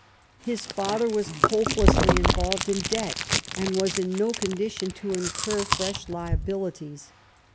His father was hopelessly involved in debt, and was in no condition to incur fresh liabilities.